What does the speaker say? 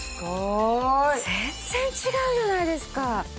全然違うじゃないですか。